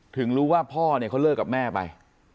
ถึงรู้ว่าพ่อเนี่ยเขาเลิกกับแม่ไป